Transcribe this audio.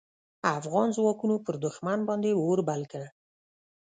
افغان ځواکونو پر دوښمن باندې اور بل کړ.